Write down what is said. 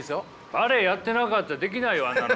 バレエやってなかったらできないよあんなの。